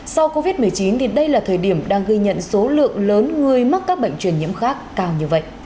sau covid một mươi chín đây là thời điểm đang ghi nhận số lượng lớn người mắc các bệnh truyền nhiễm khác cao như vậy